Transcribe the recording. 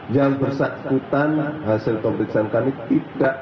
yang bersakutan hasil pemeriksaan kami tidak bisa